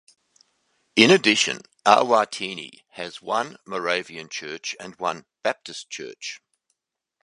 In addition, Awas Tingni has one Moravian church and one Baptist church.